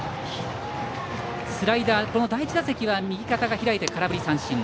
スライダー、第１打席は右肩が開いて空振り三振。